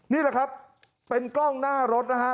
นี่แหละครับเป็นกล้องหน้ารถนะฮะ